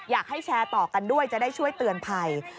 แชร์ต่อกันด้วยจะได้ช่วยเตือนภัย